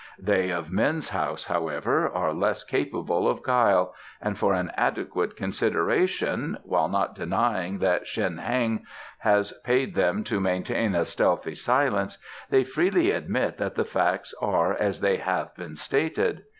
They of Min's house, however, are less capable of guile, and for an adequate consideration, while not denying that Shen Heng has paid them to maintain a stealthy silence, they freely admit that the facts are as they have been stated."